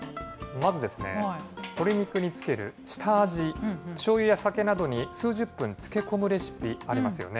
まず、鶏肉につける下味、しょうゆや酒などに数十分漬け込むレシピ、ありますよね。